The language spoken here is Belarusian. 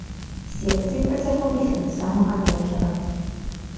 Секцыі працягнуліся да самага вечара.